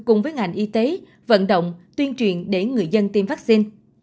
cùng với ngành y tế vận động tuyên truyền để người dân tiêm vaccine